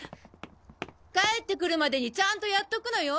帰ってくるまでにちゃんとやっとくのよ。